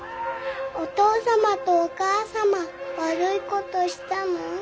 お父様とお母様悪いことしたの？